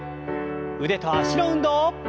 腕と脚の運動。